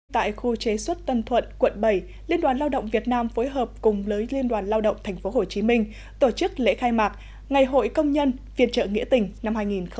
tại khu chế xuất tân thuận quận bảy liên đoàn lao động việt nam phối hợp cùng lới liên đoàn lao động tp hcm tổ chức lễ khai mạc ngày hội công nhân phiên trợ nghĩa tình năm hai nghìn một mươi chín